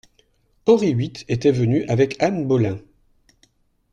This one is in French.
Henri huit était venu avec Anne Boleyn.